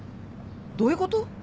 どういうこと？